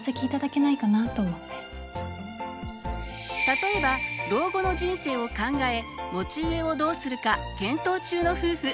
例えば老後の人生を考え持ち家をどうするか検討中の夫婦。